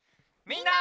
みんな！